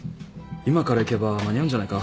今から行けば間に合うんじゃないか？